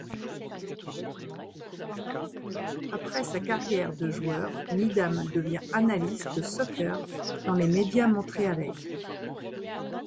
Après sa carrière de joueur, Needham devient analyste soccer dans les médias montréalais.